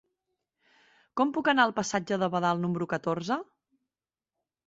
Com puc anar al passatge de Badal número catorze?